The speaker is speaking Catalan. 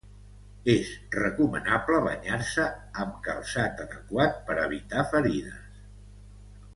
És recomanable banyar-se amb calçat adequat per evitar ferides.